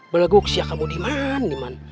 beleguk siak kamu diman